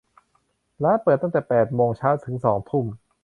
ร้านเปิดตั้งแต่แปดโมงเช้าถึงสองทุ่ม